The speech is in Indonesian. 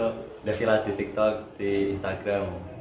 udah filas di tiktok di instagram